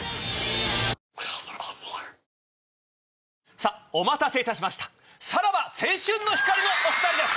さぁお待たせいたしました「さらば青春の光」のお２人です。